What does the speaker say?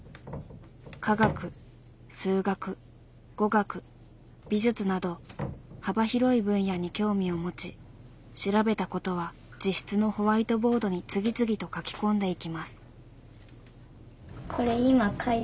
科学・数学・語学・美術など幅広い分野に興味を持ち調べたことは自室のホワイトボードに次々と書き込んでいきます。